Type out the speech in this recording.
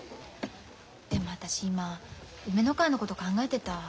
でも私今梅ノ川のこと考えてた。